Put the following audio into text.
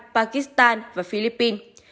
pakistan và philippines